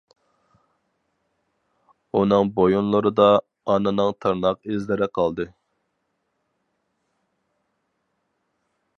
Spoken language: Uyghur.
ئۇنىڭ بويۇنلىرىدا ئانىنىڭ تىرناق ئىزلىرى قالدى.